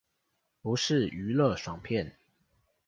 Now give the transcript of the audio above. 不是娛樂爽片